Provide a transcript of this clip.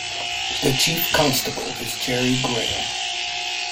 The Chief Constable is Jerry Graham.